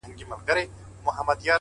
خداى دي له بدوسترگو وساته تل”